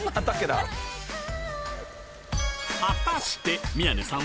果たして宮根さん。